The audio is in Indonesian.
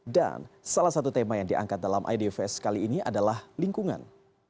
dan salah satu tema yang diangkat dalam idfs kali ini adalah lingkungan